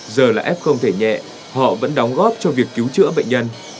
giờ là f không thể nhẹ họ vẫn đóng góp cho việc cứu chữa bệnh nhân